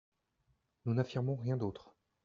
Nous n’affirmons rien d’autre.